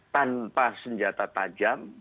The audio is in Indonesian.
tanpa senjata tajam